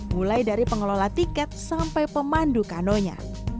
mulai dari pengelola tiket sampai pemandu kanonya